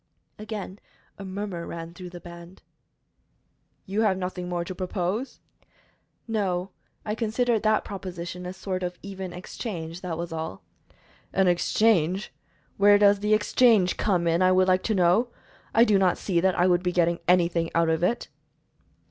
Again a murmur ran through the band. "You have nothing more to propose?" "No; I considered that proposition a sort of even exchange; that was all." "An exchange? Where does the exchange come in, I would like to know? I do not see that I would be getting anything out of it."